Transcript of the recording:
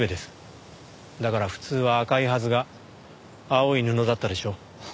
だから普通は赤いはずが青い布だったでしょう？